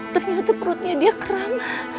ternyata perutnya dia keram